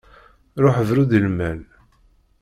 Ruḥ bru-d i lmal.